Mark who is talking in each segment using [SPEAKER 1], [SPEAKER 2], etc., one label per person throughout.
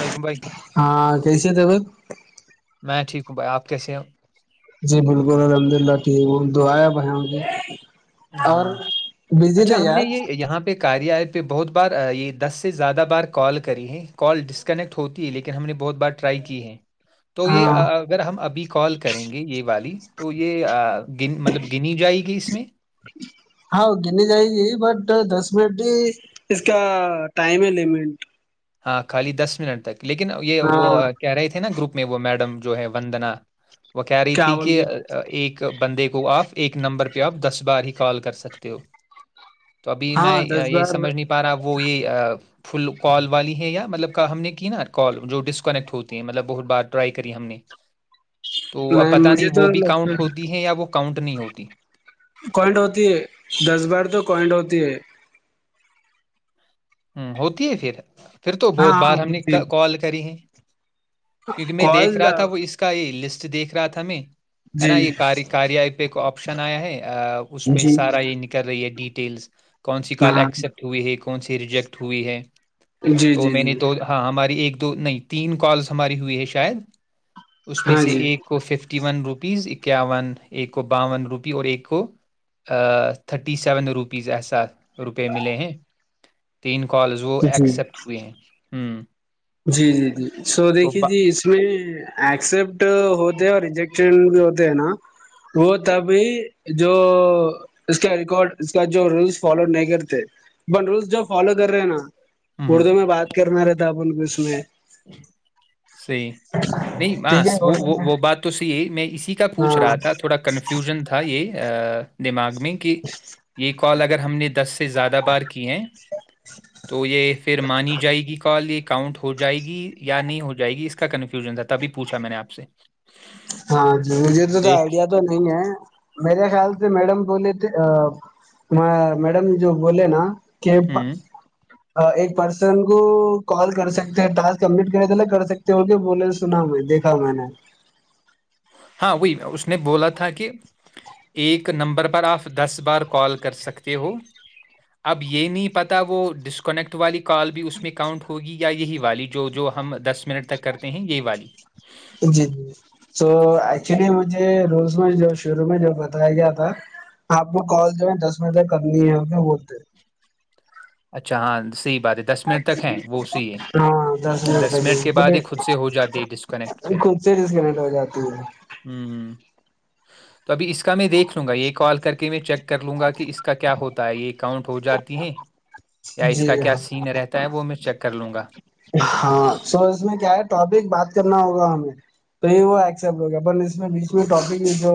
[SPEAKER 1] علیکم بھائی
[SPEAKER 2] ہاں کیسے تھے بت
[SPEAKER 1] میں ٹھیک بھائی آپ کیسے ہیں
[SPEAKER 2] جی بالکل الحمد اللہ ٹھیک ہ تو آیا ب مے
[SPEAKER 1] اچھا ہم نے
[SPEAKER 2] آج
[SPEAKER 1] یہاں پہ بہت بار یہ دس سے زیادہ بار کال کری ہے کال ڈسکنیکٹ ہوتی ہے لیکن ہم نے بہت بار ٹرائی کی ہے تو یہ
[SPEAKER 2] ہاں
[SPEAKER 1] اگر ہم ابھی کال کریں گے یہ والی تو یہ گ مطلب گنی جائے گی اس میں
[SPEAKER 2] ہاں گرنے جائے گی بٹ دس منٹ بھی اس کا ٹائم ہے لمنٹ
[SPEAKER 1] ہاں خالی دس منٹ تک لیکن یہ وہ
[SPEAKER 2] ہاں
[SPEAKER 1] کہہ رہے تھے نا گروپ میں وہ میڈم جو ہے وندنا وہ کہہ رہی
[SPEAKER 2] کیا
[SPEAKER 1] تھی
[SPEAKER 2] بول
[SPEAKER 1] کہ
[SPEAKER 2] کے
[SPEAKER 1] ایک بندے کو آپ ایک نمبر پہ آپ دس بار ہی کال کر سکتے ہو تو ابھی میں
[SPEAKER 2] ہاں دس
[SPEAKER 1] یہی
[SPEAKER 2] بار
[SPEAKER 1] سمجھ نہیں پا رہا وہ یہی فل کال والی ہے یا مطلب ہم نے کی نا کال جو ڈسکنیکٹ ہوتی ہے مطلب بہت بار ٹرائی کری ہم نے تو اب پتا
[SPEAKER 2] مجھے
[SPEAKER 1] نہیں وہ
[SPEAKER 2] تو
[SPEAKER 1] بھی
[SPEAKER 2] لگتا
[SPEAKER 1] کاؤنٹ ہوتی ہے یا وہ کاؤنٹ نہیں ہوتی ی [inaudible]
[SPEAKER 2] کوائنٹ ہوتی ہے دس بار تو کوئنٹ ہوتی ہے
[SPEAKER 1] ہوں ہوتی ہے پھر پھر تو
[SPEAKER 2] ہاں
[SPEAKER 1] بہت
[SPEAKER 2] ہاں
[SPEAKER 1] بار ہم نے
[SPEAKER 2] ہوتی ہے
[SPEAKER 1] کال کری ہے کیونک میں
[SPEAKER 2] کال
[SPEAKER 1] دیکھ رہا تھا وہ اس کا یہ لسٹ دیکھ رہا تھا میں ا
[SPEAKER 2] جی
[SPEAKER 1] نا یہ کاری کاری آئیت کو آپشن آیا ہے اس میں
[SPEAKER 2] جی
[SPEAKER 1] سارا یہ نکل رہی ہے ڈی ٹیلس [inaudible] کون سی کال
[SPEAKER 2] ہاں
[SPEAKER 1] ایکسپٹ ہوئی ہے کون سی ریجیکٹ ہوئی ہے
[SPEAKER 2] جی
[SPEAKER 1] تو
[SPEAKER 2] جی
[SPEAKER 1] میں
[SPEAKER 2] جی
[SPEAKER 1] نے تو ہاں ہماری ایک [inaudible] دو نہیں تین کالس [inaudible] ہماری ہوئی ہے شاید [inaudible] اس میں
[SPEAKER 2] ہاں
[SPEAKER 1] سے
[SPEAKER 2] جی
[SPEAKER 1] ایک کو ففٹی ون روپ [inaudible] اکیاون ایک کو باون روپی اور ایک کو تھرٹی سیون روپیز ایسا روپئے ملے ہیں تین [inaudible] کالز وہ
[SPEAKER 2] جی
[SPEAKER 1] ایکسپٹ ہوئے ہیں [inaudible]
[SPEAKER 2] جی جی جی [inaudible] سو
[SPEAKER 1] تو
[SPEAKER 2] دیکھیے
[SPEAKER 1] با-
[SPEAKER 2] جی اس میں ایکسپٹ ہو [inaudible] اور ریجیکٹ بھی ہوتے ہیں نا وہ تبھی جو اس کا ریکارڈ اس کا جو رولس فالو نہیں کرتے بن رولس جو فالو کر رہے نا [inaudible] اردو میں بات کرنا رہتا [inaudible] [inaudible] میں
[SPEAKER 1] صی نہیں
[SPEAKER 2] ٹھیک ہے
[SPEAKER 1] بس وہ
[SPEAKER 2] اردو میں
[SPEAKER 1] وہ بات تو صحیح ہے میں اسی کا پوچھ
[SPEAKER 2] ہاں
[SPEAKER 1] رہا تھا تھوڑا کنفیوژن تھا یہ دماغ میں میں کہ یہ کال اگر ہم نے دس سے زیادہ بار کی ہے تو یہ پھر مانی جائے گی کال یہ اؤنٹ ہو جائے یا نہیں ہو جائے گی اس کا کنفیوز ژن تھا تبھی پوچھا میں نے آپ سے
[SPEAKER 2] ہاں جی مجھے تو تو
[SPEAKER 1] دیکھ
[SPEAKER 2] آئیڈیا تو نہیں ہے میرے خیال سے میڈم بولے میڈم جو بولے نا کپا
[SPEAKER 1] ہوں
[SPEAKER 2] ایک پرسن کو کال کر سکتے ٹس کمپلیٹ کرے تلا کر سکتے کے بولے سنا میں دیکھا میں نے
[SPEAKER 1] وہی اس نے بولا تھا کہ ایک نمبر پر آپ دس بار کال کر سکتے ہو اب یہ نہیں پتا وہ ڈسکنیکٹ والی کال بھی اس میں کاؤنٹ ہوگی یہی والی جو جو ہم دس منٹ تک کرتے ہیں یہی والی
[SPEAKER 2] جی جی تو ایکچولی مجھے روز میں جو شروع میں جو بتایا گیا تھا آپ کو کال جو ہے دس بجے تک کرنی ہے کے بولتے ہیں
[SPEAKER 1] اچھا ہاں سی دس منٹ تک ہے وہ اسی ہے دس منٹ کے بعد ہی خود سے ہو جاتی ہے ڈسکنیکٹ پھ
[SPEAKER 2] خود سے ڈسکنیکٹ ہو جاتی ہے
[SPEAKER 1] تو ابھی اس کا میں دیکھ لوں گا یہ کال کر کے میں چیک کر لوں گا کہ اس کا کیا ہوتا ہے یہ اکاؤنٹ ہو جاتی ہیں یا اس کا
[SPEAKER 2] جی
[SPEAKER 1] کیا
[SPEAKER 2] ہاں
[SPEAKER 1] سین رہتا ہے وہ میں چیک کر لوں گا
[SPEAKER 2] ہاں سو اس میں کیا ہے ٹاپک بات کرنا ہوگا ہمیں تو یہ وہ ایکسپٹ ہوگیا اپ اس میں بیچ میں ٹاپک جو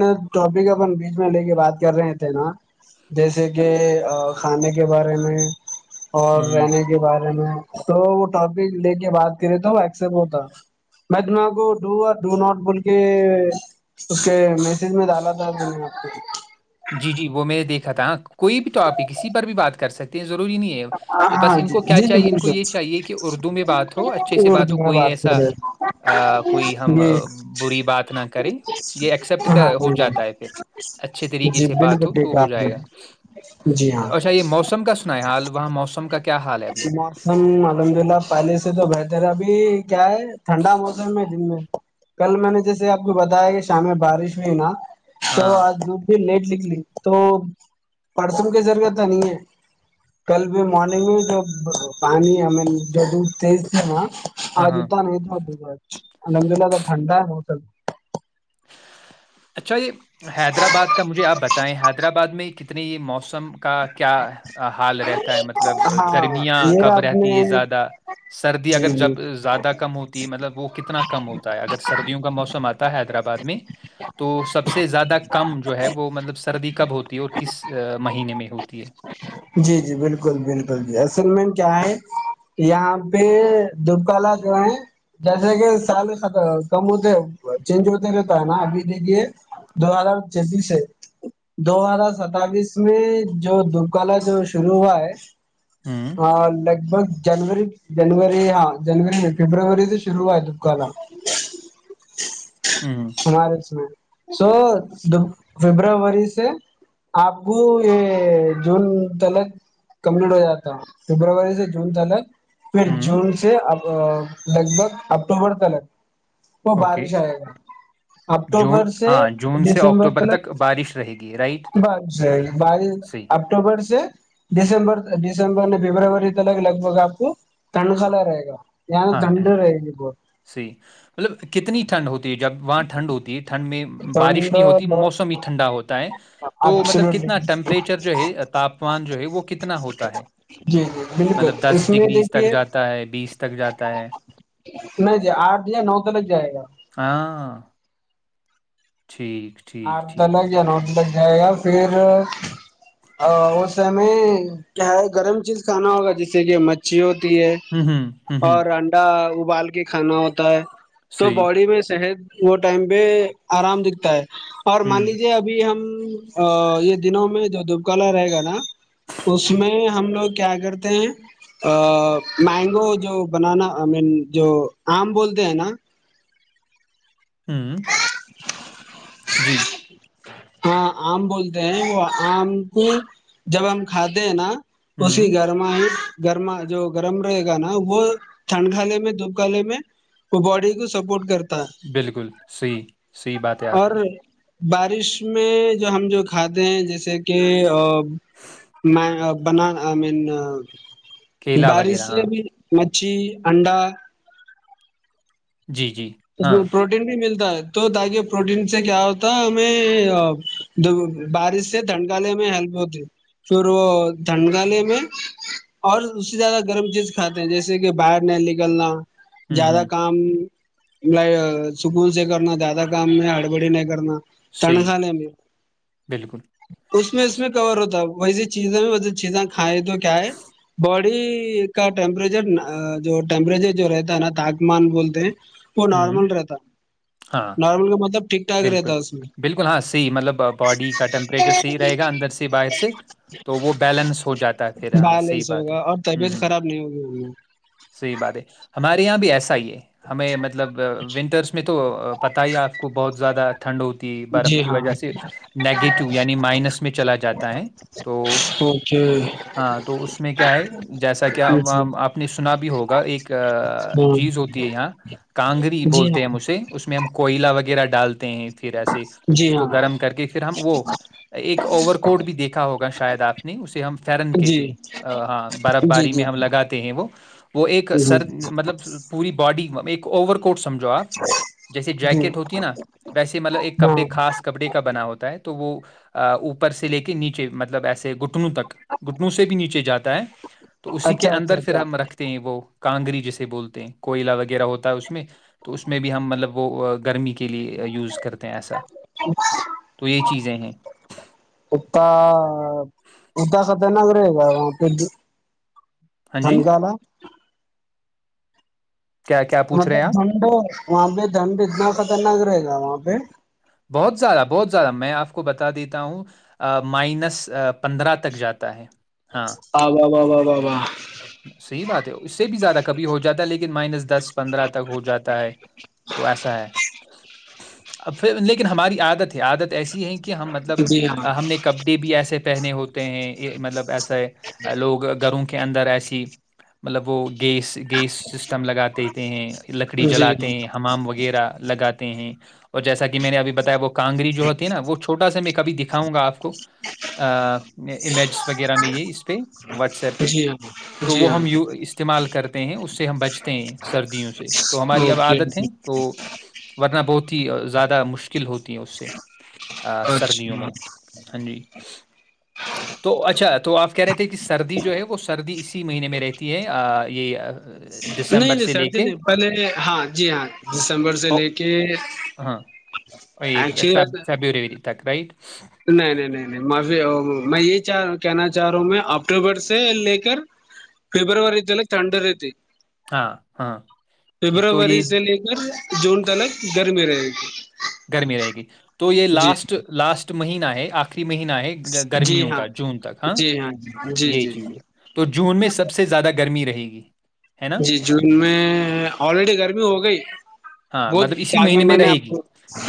[SPEAKER 2] نا ٹاپک اپن بیچ میں لے کے بات کر رہے تھے نا جیسے کہ کھانے کے بعد تی میں اور
[SPEAKER 1] ہوں
[SPEAKER 2] رہنے کے بارے میں تو وہ ٹاپک لے کے بات کرے تو وہ ایکسپٹ ہوتا میں تم کو ڈ اور ڈ نٹ بول کے اس کے میسج میں ڈالا تھا نے آپ کو
[SPEAKER 1] جی جی وہ میں نے دیکھا تھا کوئی بھی ٹاپک کی پر بھی بات کر سکتے ہیں ضروری نہیں
[SPEAKER 2] کو
[SPEAKER 1] ہے بس
[SPEAKER 2] ہاں
[SPEAKER 1] ان
[SPEAKER 2] جی
[SPEAKER 1] کو کیا
[SPEAKER 2] جی جی
[SPEAKER 1] چاہیے ان کو یہ
[SPEAKER 2] بالکل
[SPEAKER 1] چاہیے کہ اردو میں بات ہو اچھے سے بات ہو
[SPEAKER 2] اردو میں
[SPEAKER 1] کوئی
[SPEAKER 2] کر
[SPEAKER 1] ایسا
[SPEAKER 2] رہے
[SPEAKER 1] کوئی ہم
[SPEAKER 2] جی
[SPEAKER 1] بری بات نہ کریں یہ ایکسپٹ
[SPEAKER 2] ہاں
[SPEAKER 1] ہو
[SPEAKER 2] جی جی
[SPEAKER 1] جاتا ہے پھر اچھے طریقے
[SPEAKER 2] جی
[SPEAKER 1] سے بات
[SPEAKER 2] بالکل
[SPEAKER 1] ہو تو
[SPEAKER 2] ٹھیک ہے
[SPEAKER 1] ہو
[SPEAKER 2] آپ
[SPEAKER 1] جائے
[SPEAKER 2] نے
[SPEAKER 1] گا
[SPEAKER 2] جی ہاں
[SPEAKER 1] اچھا یہ موسم کا سنا ہے حال وہاں موسم کا کیا حال ہے ابھی؟
[SPEAKER 2] موسم الحمد اللہ پلے سے تو بہترا بھی کیا ہے ٹھنڈا موسم میں جن میں کل میں نے جیسے آپ کو بتایا کہ شام میں بارش ہوئی نا
[SPEAKER 1] ہاں،
[SPEAKER 2] تو آ دو دن لیٹ لک لی تو پرسوں کی ضرورت تو نہیں ہے کل بھی مارگ میں پانی ہم جد تیز تھا
[SPEAKER 1] ہاں،
[SPEAKER 2] آج
[SPEAKER 1] ہاں۔
[SPEAKER 2] اتنا نہیں تھا د الحمد للہ تو ٹھنڈا ہے موسم
[SPEAKER 1] اچھا یہ حیدرآباد کا مجھے آپ بتائیں حیدرآباد میں کت [unintelligible] اتنی موسم [unintelligible] کا کیا حال رہتا ہے مطلب
[SPEAKER 2] ہاں
[SPEAKER 1] گرمیاں
[SPEAKER 2] یہ
[SPEAKER 1] کب
[SPEAKER 2] آپ
[SPEAKER 1] رہتی ہے
[SPEAKER 2] نے
[SPEAKER 1] زیادہ سردی
[SPEAKER 2] جی
[SPEAKER 1] اگر
[SPEAKER 2] جی
[SPEAKER 1] جب زیادہ کم ہوتی ہے مطلب وہ کتنا کم ہوتا ہے اگر سردیوں کا موسم آتا ہے حیدرآباد [unintelligible] میں تو سب سے [unintelligible] زیادہ کم جو ہے وہ مطلب سردی کب ہوتا [unintelligible] اور کس مہینے میں ہوتی ہے [unintelligible]
[SPEAKER 2] جی جی بالکل بالکل جی اصل میں کیا ہے یہاں پہ دبکلا جو ہے جیسے کہ سال خ کم ہوتے چینج ہوتے رہتا ہے نا ابھی دیکھیے دو ہزار چھتییس سے دو ہزار ستبس میں جو اکال جو شرو ہوا ہے
[SPEAKER 1] ہوں
[SPEAKER 2] ہاں لگ بھگ جنوری جنوری ہاں جنوری نہیں فبروری سے شرو ہے دکان
[SPEAKER 1] ہوں
[SPEAKER 2] سمار اس میں [unintelligible] سو فبروری سے آپ کو یہ جون تلک کمپلیٹ ہو جاتا فبروری سے جون تلک پھر
[SPEAKER 1] ہوں
[SPEAKER 2] جون سے اب ا لگ بھگ اکٹوبر تلک [unintelligible] وہ
[SPEAKER 1] اوکے
[SPEAKER 2] بارش آئے گا [unintelligible]
[SPEAKER 1] جون
[SPEAKER 2] اکٹوبر سے
[SPEAKER 1] ہاں جون سے
[SPEAKER 2] دسمبر
[SPEAKER 1] اکتوبر تک
[SPEAKER 2] تلک
[SPEAKER 1] بارش رہے گی رائٹ
[SPEAKER 2] بائیس ت بائیس
[SPEAKER 1] صحیح
[SPEAKER 2] اکٹوبر سے دسمبر ت ڈسمبر دمبر نے فبروری تلک لگ بھگ آپ کو ٹنخ ل رہے گا [unintelligible] اں دنڈ رہ ب
[SPEAKER 1] سی مطلب کتنی ٹھنڈ ہوتی ہے جب وہاںٹ ٹھنڈ ہوتی ہے ٹھنڈ میں بارش
[SPEAKER 2] ٹھنڈ
[SPEAKER 1] نہیں ہوتی موسم ہی ٹھنڈا ہوتا ہے تو مطلب کتنا
[SPEAKER 2] ایبسلوٹلی
[SPEAKER 1] ٹیمپریچر جو ہے تاپمان جو ہے وہ کتنا ہوتا ہے
[SPEAKER 2] جی جی بالکل
[SPEAKER 1] مطلب دس
[SPEAKER 2] اس میں
[SPEAKER 1] ڈگریز تک
[SPEAKER 2] دیکھیے
[SPEAKER 1] جاتا ہے بیس تک جاتا ہے
[SPEAKER 2] نہیں ج آٹھ یا نو ت لگ جائے گا [inaudible]
[SPEAKER 1] ہاں ٹھیک
[SPEAKER 2] آ
[SPEAKER 1] ٹھیک
[SPEAKER 2] لگ
[SPEAKER 1] ٹھیک
[SPEAKER 2] ن ا لگ [inaudible] یا پھر اس سے کیا ہے گرم چیز کھانا ہوگا جیسے کہ مچھھی ہوتی [unintelligible] ہے
[SPEAKER 1] ہوں ہوں ہوں ہوں
[SPEAKER 2] اور انڈا ابال کے کھانا ہوتا ہے تو
[SPEAKER 1] صحیح
[SPEAKER 2] باڈی میں صحت وہ ٹائم پے آرام دکھتا ہے اور مان
[SPEAKER 1] ہوں
[SPEAKER 2] لیجیے ابھی ہم یہ دنوں میں جو دبکلا رہے گا نا اس میں ہم لوگ کیا کرتے ہیں مینگو جو بنانا آئی مین جو آم بولتے ہیں نا
[SPEAKER 1] ہوں جی
[SPEAKER 2] ہاں آم بولتے ہیں وہ آم کو جب ہم کھاتے ہیں نا اسی
[SPEAKER 1] ہوں
[SPEAKER 2] گھرم ہی [inaudible] گرما جو گرم رہے گا نا وہ ٹھنڈ کے میں دھوپ کالے میں وہ باڈی کو سپورٹ کرتا ہے
[SPEAKER 1] بالکل صحیح صحیح بات ہے آپ
[SPEAKER 2] اور
[SPEAKER 1] کی
[SPEAKER 2] بارش میں جو ہم جو کھاتے ہیں جیسے کہ بنا آئی مین
[SPEAKER 1] کیلا
[SPEAKER 2] بارش
[SPEAKER 1] وغیرہ
[SPEAKER 2] سے
[SPEAKER 1] ہاں
[SPEAKER 2] بھی کچی انڈا
[SPEAKER 1] جی جی
[SPEAKER 2] اس
[SPEAKER 1] ہاں
[SPEAKER 2] میں پروٹین بھی ملتا ہے تو تاکہ پروٹین سے کیا ہوتا ہمیں بارش سے دھنکالے میں ہیلپ ہوتی پھر وہ دھن کالے میں اور اس سے زیادہ گرم چیز کھاتے ہیں جیسے کہ باہر نہیں نکلنا
[SPEAKER 1] ہوں
[SPEAKER 2] زیادہ
[SPEAKER 1] ہوں
[SPEAKER 2] کام سکون سے کرنا زیادہ کام میں ہڑبڑی نہیں کرنا تنخ
[SPEAKER 1] صحیح
[SPEAKER 2] لے
[SPEAKER 1] بالکل
[SPEAKER 2] اس میں اس میں کور ہوتا [unintelligible] ویسی چیزیں میںسے چیزیں کھائیں تو کیا ہے باڈی کا ٹیمپریچر جو ٹیمپریچر جو رہتا ہے نا تاپمان بولتے ہیں وہ
[SPEAKER 1] ہ
[SPEAKER 2] نارمل رہتا ہے۔
[SPEAKER 1] ہاں
[SPEAKER 2] نارمل کا مطلب ٹھیک ٹھاک
[SPEAKER 1] بالکل
[SPEAKER 2] رہتا ہے اس میں
[SPEAKER 1] بالکل ہاں صحیح مطلب باڈی کا ٹیمپریچر صحیح رہے گا اندر سے باہر سے تو وہ بیلنس ہو جاتا ہے پھر ہاں صحیح
[SPEAKER 2] بیلنس
[SPEAKER 1] بات ہے
[SPEAKER 2] ہوگا اور
[SPEAKER 1] ہ
[SPEAKER 2] طبیعت
[SPEAKER 1] ہ
[SPEAKER 2] خراب نہیں ہوگی ان
[SPEAKER 1] صحی بات ہے ہمارے یہاں بھی ایسا ہی ہے ہماں مطلب ونٹرس میں تو پتا ہی ہے آپ کو بہت زیادہ ا ٹھنڈ ہوتی
[SPEAKER 2] میں
[SPEAKER 1] برف
[SPEAKER 2] جی
[SPEAKER 1] کی
[SPEAKER 2] ہاں
[SPEAKER 1] وجہ سے نگیٹو یعنی مائنس میں چلا جاتا ہے تو
[SPEAKER 2] اوکے
[SPEAKER 1] ہاں تو اس میں کیا ہے جیسا کیا آپ نے سنا بھی ہوگا ایک چیز ہوتی ہے یہاں کاںگری
[SPEAKER 2] جی
[SPEAKER 1] بولتے ہیں ہم
[SPEAKER 2] ہاں
[SPEAKER 1] اسے اس میں ہم کوئلہ وغیرہ ڈالتے ہیں پھر ایسے
[SPEAKER 2] جی
[SPEAKER 1] اس
[SPEAKER 2] ہاں جی
[SPEAKER 1] کو
[SPEAKER 2] ہاں
[SPEAKER 1] گرم کر کے پھر ہم وہ ایک اوور کوٹ بھی دیکھا ہوگا شاید آپ نے اسے ہم فرن
[SPEAKER 2] جی
[SPEAKER 1] کہتے ہیں ہاں برف
[SPEAKER 2] جی
[SPEAKER 1] باری میں
[SPEAKER 2] جی
[SPEAKER 1] ہم لگاتے ہیں وہ وہ ایک
[SPEAKER 2] جی جی
[SPEAKER 1] سر مطلب پوری باڈی اوور کوٹ سمھو آپ جیسے
[SPEAKER 2] جی
[SPEAKER 1] جیکٹ ہوتی ہے نا ویسے مطلب ایک
[SPEAKER 2] ہاں
[SPEAKER 1] کپڑے خاص کپڑے کا بنا ہوتا ہے تو وہ اوپر سے لے کے نیچے مطلب ایسے گٹ گٹنوں تک گھٹنوں سے بھی نیچے جاتا ہے تو اسی کے
[SPEAKER 2] اچھا اچھا
[SPEAKER 1] اندر پھر
[SPEAKER 2] اچھا
[SPEAKER 1] ہم رکھتے ہیں وہ کانگری جسے بولتے ہیں کوئلا وغیرہ ہوتا اس میں تو اس میں بھی ہم مطلب وہ گرمی کے کے لیے یوز کرتے ہیں ایسا تو یہ چیزیں ہیں
[SPEAKER 2] اد خطر نک رہے گا وہاں پہ
[SPEAKER 1] ہاں جی
[SPEAKER 2] ٹھنگال
[SPEAKER 1] کیا کیا
[SPEAKER 2] ہ
[SPEAKER 1] پوچھ رہے
[SPEAKER 2] تو
[SPEAKER 1] ہیں آپ
[SPEAKER 2] دھنڈ وہاں پہ دنڈ اتنا خطرناک رہے گا وہاں پہ
[SPEAKER 1] بہت زیادہ بہت زیادہ میں آپ کو بتا دیتا ہوں مائنس پندرہ تک جاتا ہے ہاں
[SPEAKER 2] آ واہ واہ واہ واہ واہ
[SPEAKER 1] صحیح بات ہے اس سے بھی زیادہ کبھی ہو جاتا ہے لیکن مائنس دس پندرہ تک ہو جاتا ہے تو ایسا ہے اب لیکن ہماری عادت ہے عادت ایسی ہیں کہ ہم مطلب
[SPEAKER 2] جی ہاں
[SPEAKER 1] ہم نے کپڑے بھی ایسے پہنے ہوتے ہیں مطلب ایسا لوگ گھروں کے کے اندر ایسی مطلب وہ گیس گیس سسٹم لگا دیتے ہیں لکڑی
[SPEAKER 2] جی
[SPEAKER 1] جلاتے ہیں
[SPEAKER 2] ہاں
[SPEAKER 1] ہمام وغیرہ لگات ہیں جیسا کہ میں نے اب بتایا وہ کانگری جو ہوتی نا وہ چوٹا میں کب دکھاؤ گا آپ کو امیج وغیرہ میں یہ اس پہ واٹس ایپ پہ
[SPEAKER 2] جی ہاں
[SPEAKER 1] تو
[SPEAKER 2] جی
[SPEAKER 1] وہ
[SPEAKER 2] ہاں
[SPEAKER 1] ہم ی استعمال کرتے ہیں اس سے ہم بچتے ہیں سردیوں سے تو ہماری اب
[SPEAKER 2] اوکے
[SPEAKER 1] عادت ہے
[SPEAKER 2] اوکے
[SPEAKER 1] تو ورننا بہت زیادہ مشکل ہوتی ہیں اس سے سردیوں میں
[SPEAKER 2] اچھا
[SPEAKER 1] ہاں جی تو اچھا تو آپ کہہ رہے تھے کہ سردی جو ہے وہ سردی اسی مہینے میں رہتی ہے یہ
[SPEAKER 2] نہیں
[SPEAKER 1] دسمبر
[SPEAKER 2] نہیں
[SPEAKER 1] سے
[SPEAKER 2] سر
[SPEAKER 1] لے
[SPEAKER 2] جی
[SPEAKER 1] کے
[SPEAKER 2] نہیں پہلے ہاں جی ہاں دسمبر سے لے کے
[SPEAKER 1] ف
[SPEAKER 2] ایکچولی
[SPEAKER 1] فیبری تک رٹ
[SPEAKER 2] تو میں یہ کہنا چاہ رہا ہوں میں اکٹوبر سے لے کر فبروری تلک ٹھنڈ رہتی
[SPEAKER 1] ہاں ہاں ٹھیک تو
[SPEAKER 2] فبروری
[SPEAKER 1] یہ
[SPEAKER 2] سے لے کر جون تلک گرمی رہے ج
[SPEAKER 1] گرمی رہے گی تو یہ لاسٹ لاسٹ مہینہ ہے آخر مہین ہے
[SPEAKER 2] جی
[SPEAKER 1] گرمیوں
[SPEAKER 2] ہاں
[SPEAKER 1] کا جون تک ہاں
[SPEAKER 2] جی جی جی
[SPEAKER 1] یہی
[SPEAKER 2] جی
[SPEAKER 1] چیز ہے تو جون میں سب سے زیادہ گرمی رہے گی ہے نا
[SPEAKER 2] جی جون میں آلریڈی گرمی ہو گئی
[SPEAKER 1] ہاں
[SPEAKER 2] بہت
[SPEAKER 1] مطلب اسی
[SPEAKER 2] داگ
[SPEAKER 1] مہینے
[SPEAKER 2] میں م
[SPEAKER 1] رہے
[SPEAKER 2] آپ
[SPEAKER 1] گی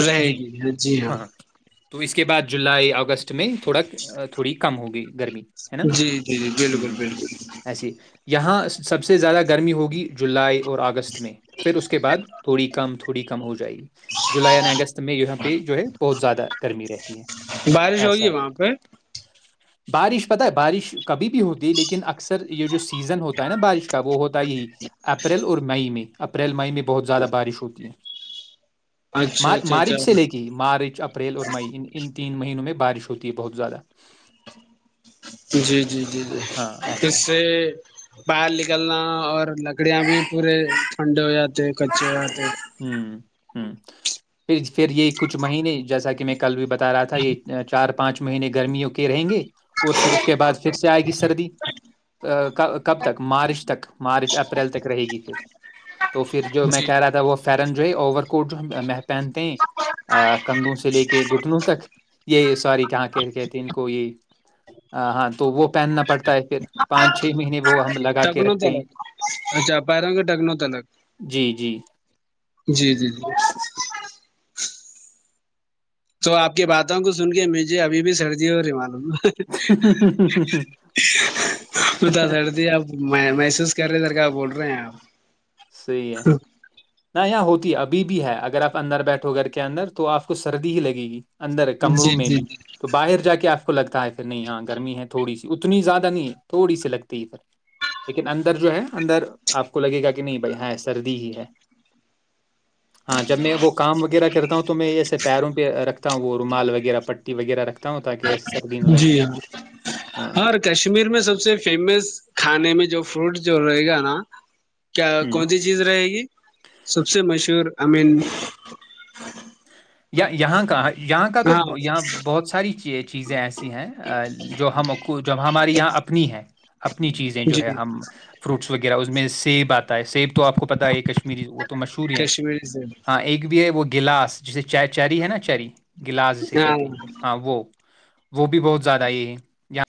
[SPEAKER 2] رہے
[SPEAKER 1] جی
[SPEAKER 2] گی جی ہاں
[SPEAKER 1] تو اس کے بعد جولائی اگستٹ میں تھوڑا تھوڑی کم ہوگئی گرمی ہے نا
[SPEAKER 2] جی جی جی بالکل
[SPEAKER 1] ہوں
[SPEAKER 2] بالکل
[SPEAKER 1] ایسی یہاں سب سے زیادہ گرمی ہوگی جولائی اور اگست میں پھر اس کے بعد کم تھوڑی کم ہو جائے گی جولائی اور اگست میں یہاں پہ جو ہے بہت زیادہ گرمی رہتی ہے
[SPEAKER 2] بارش
[SPEAKER 1] ایسا
[SPEAKER 2] ہوگی
[SPEAKER 1] ہے
[SPEAKER 2] وہاں پہ
[SPEAKER 1] بارش پت ہے بارش کبھی بھی ہوتی لیکن اکثر یہ جو سی سیزن ہوتا ہے نا بارش کا وہ ہوتا ہے یہی اپریل اور مئی میں اپریل مئی میں بہت زیادہ بارش ہوتی ہے
[SPEAKER 2] اچھا
[SPEAKER 1] [unintelligible]
[SPEAKER 2] اچھا اچھا
[SPEAKER 1] مارچ سے لے کے مارچ اپریل اور مئی ان تین مہینوں میں بارش ہوتی ہے بہت زیادہ
[SPEAKER 2] جی جی جی جی
[SPEAKER 1] ہاں ایسا ہے
[SPEAKER 2] اس سے بر نکلنا اور لگ لکڑیاں بھی پورے ٹھنڈے ہو جاتے کچے ہو جاتے
[SPEAKER 1] ہ ہ پھر پھر یہ کچھ مہینے جیسا کہ میں کل بھی بتا رہا تھا یہ چار [unintelligible] پانچ مہینے گرمیوں کی رہیں گے اور پھر اس کے بعد پھر سے آئے گی سردی ک [unintelligible] کب تک مارچ تک مارچ اپریل تک رہے گی پھر تو پھر جو میں
[SPEAKER 2] جی
[SPEAKER 1] کہہ رہا تھا وہ فرنجوئی اوور [unintelligible] کوٹ جو ہم پہنتے ہیں [unintelligible] ا کندوں سے لے کے گٹلوں تک یہ سور کہاں کہ کہتے ہیں ان کو یہی ہاں تو وہ پہننا پڑتا ہے پھر پانچ چھ مہینے وہ ہم لگا کے
[SPEAKER 2] ٹکن تو
[SPEAKER 1] رکھتے ہیں
[SPEAKER 2] الگ اچھا پیروں کے ٹکنوت الگ
[SPEAKER 1] جی جی
[SPEAKER 2] جی جی جی [inaudible] تو آپ کی باتوں کو سن کے مجھے ابھی بھی سردی ہو رہیمات پتا سڑتی آپ میں محسوس کر رہے در کاا بول رہے ہیں آپ
[SPEAKER 1] صحیح ہے نہ یہاں ہوتی ہے ابھی بھی ہے اگر آپ اندر بیٹھو گھر کے اندر تو آپ کو سردی ہی لگے گی اندر ہے کمروں
[SPEAKER 2] جی
[SPEAKER 1] میں
[SPEAKER 2] جی
[SPEAKER 1] بھی
[SPEAKER 2] جی
[SPEAKER 1] تو باہر جا کے آپ کو لگتا ہے نہیں ہاں گرمی ہے تھوڑی اتنی زیادہ نہیں ہے تھوڑی سی لگتی ہی پھر لیکن اندر اندر جو ہے اندر آپ کو لگے گا کہ نہیں بھائی ہاں سردی ہی ہے ہاں جب میں وہ کام وغیرہ کرتا ہوں تو میں یہ پیروں پہ رکھتا ہوں وہ رومال وغیرہ پٹی وغیرہ رکھ
[SPEAKER 2] جی ہاں
[SPEAKER 1] ہاں
[SPEAKER 2] ہر کشمیر میں سب سے فیمس کھانے میں جو فروٹ جو رہے [inaudible] کیا
[SPEAKER 1] ہوں
[SPEAKER 2] کون سی چیز رہے گی سب سے مشہور امین
[SPEAKER 1] یا یہاں کہاں یہاں کا تو
[SPEAKER 2] ہاں
[SPEAKER 1] یہاں بہت ساری چیز چیزیں ایسی تی ہیں جو ہم جب ہماری یہاں اپنی ہیں اپنی چیزیں جو
[SPEAKER 2] جی
[SPEAKER 1] ہے ہم فروٹس وغیرہ ا اس میں سے بات ہے سیب تو آپ کو پتا ہے کشمیری وہ تو مشہور ہی ہے
[SPEAKER 2] کشمیری سے
[SPEAKER 1] ہاں ایک بھی ہے وہ گلاس جیسے چائے چاری ہے نا چاری گلاس جے
[SPEAKER 2] ہاں
[SPEAKER 1] کہتے ہیں ہاں وہ وہ بھی بہت زیادہ یہ ہے یہاں